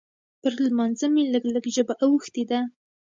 پر لمانځه مې لږ لږ ژبه اوښتې ده.